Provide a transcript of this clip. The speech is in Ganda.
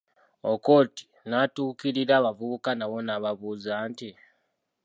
Okot natuukirira abavubuka abo nababuuza nti